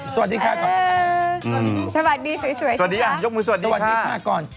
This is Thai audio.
สวัสดีค่ะก่อน